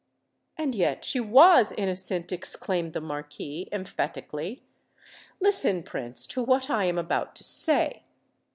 "And yet she was innocent!" exclaimed the Marquis, emphatically. "Listen, Prince, to what I am about to say.